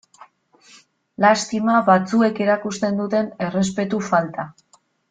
Lastima batzuek erakusten duten errespetu falta.